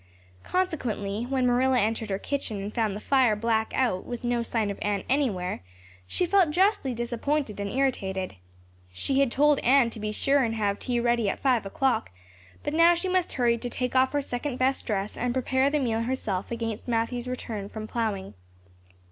Consequently, when Marilla entered her kitchen and found the fire black out, with no sign of Anne anywhere, she felt justly disappointed and irritated. She had told Anne to be sure and have tea ready at five o'clock, but now she must hurry to take off her second best dress and prepare the meal herself against Matthew's return from plowing.